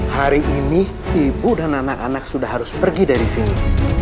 hari ini ibu dan anak anak sudah harus pergi dari sini